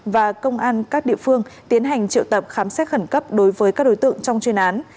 và công an các địa phương tiến hành triệu tập khám xét khẩn cấp đối với các đối tượng trong chuyên án